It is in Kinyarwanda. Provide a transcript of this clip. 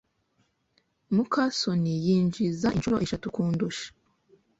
muka soni yinjiza inshuro eshatu kundusha.